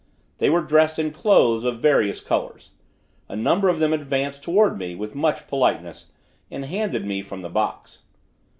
They were dressed in cloths of varied colors. A number of them advanced towards me with much politeness, and handed me from the box.